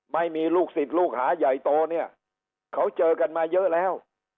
ไม่มีลูกศิษย์ลูกหาใหญ่โตเนี่ยเขาเจอกันมาเยอะแล้ว